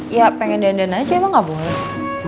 ya pengen dandan aja emang gak boleh